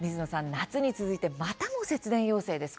夏に続いてまたも節電要請です。